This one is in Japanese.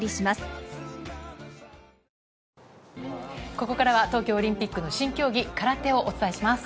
ここからは東京オリンピックの新競技、空手をお伝えします。